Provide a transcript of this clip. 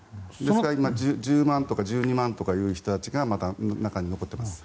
１０万とか１２万という人たちが中に残っています。